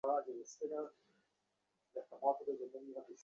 ফিরোজ লম্বা-লম্বা পা ফেলে অন্ধকারে নেমে গেল।